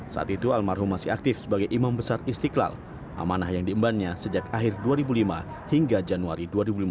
saat itu almarhum masih aktif sebagai imam besar istiqlal amanah yang diembannya sejak akhir dua ribu lima hingga januari dua ribu lima belas